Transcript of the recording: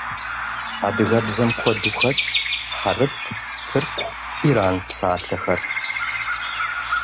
Адыгэбзэм куэду хэтщ хьэрып, тырку, иран псалъэхэр.